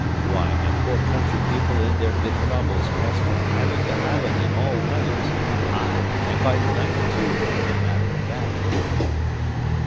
Why, my poor country people in their bit cobles* pass from island to island in all weathers, ay, and by night too, for the matter of that."